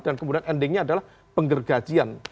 dan kemudian endingnya adalah penggergajian